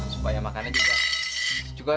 supaya makannya juga